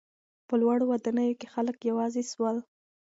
په لوړو ودانیو کې خلک یوازې سول.